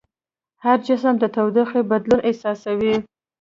هر جسم د تودوخې بدلون احساسوي.